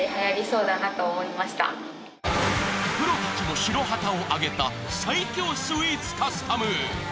［プロたちも白旗をあげた最強スイーツカスタム］